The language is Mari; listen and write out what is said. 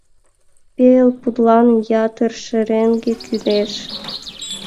— Пел пудлан ятыр шереҥге кӱлеш...